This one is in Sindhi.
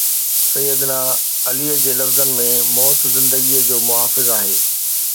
سيد نه عليءَ جي لفظن ۾ موت زندگيءَ جو محافظ آهي.